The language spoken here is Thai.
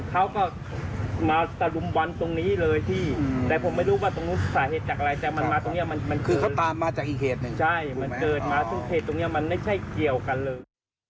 ใช่มันเกิดมาซึ่งเหตุตรงนี้มันไม่ใช่เกี่ยวกันเลย